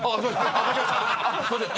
すいません